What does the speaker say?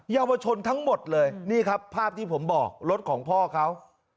เยาวชนทั้งหมดเลยนี่ครับภาพที่ผมบอกรถของพ่อเขา